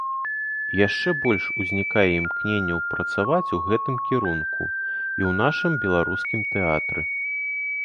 І яшчэ больш узнікае імкненняў працаваць у гэтым кірунку і ў нашым беларускім тэатры.